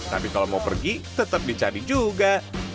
tapi kalau mau pergi tetap dicari juga